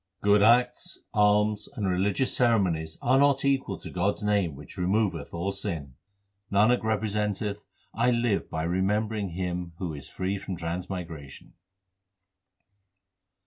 Good acts, alms, and religious ceremonies are not equal to God s name which removeth all sin. Nanak representeth, I live by remembering Him who is free from transmigration.